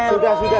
sudah sudah sudah